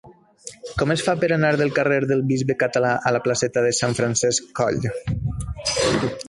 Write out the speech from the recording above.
Com es fa per anar del carrer del Bisbe Català a la placeta de Sant Francesc Coll?